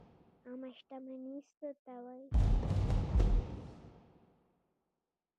عامه شتمني څه ته وایي؟